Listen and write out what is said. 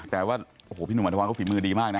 แต่ว่าโอ้โหพี่หนุ่มอัธวรก็ฝีมือดีมากนะ